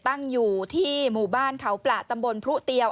ตั้งอยู่ที่หมู่บ้านเขาประตำบลพรุเตียว